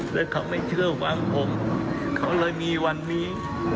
และเขาไม่เชื่อหวังผมเขาเลยมีวันนี้